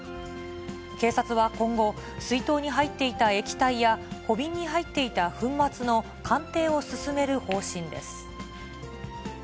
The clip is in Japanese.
警察は今後、水筒に入っていた液体や、小瓶に入っていた粉末の鑑定を進める方針です。